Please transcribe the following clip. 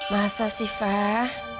masa sih fah